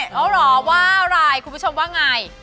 แล้วเหรอว่าอะไรคุณผู้ชมว่าไง